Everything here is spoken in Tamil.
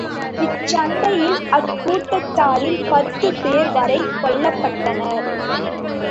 இச்சண்டையில், அக்கூட்டத்தாரில் பத்துப் பேர் வரை கொல்லப்பட்டனர்.